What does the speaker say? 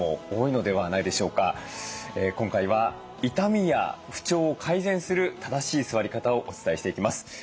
今回は痛みや不調を改善する正しい座り方をお伝えしていきます。